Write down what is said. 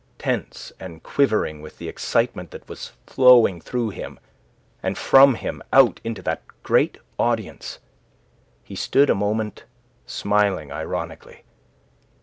Tense and quivering with the excitement that was flowing through him, and from him out into that great audience, he stood a moment smiling ironically.